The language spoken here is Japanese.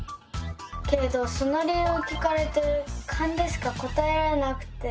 けれどその理由を聞かれてカンでしか答えられなくて。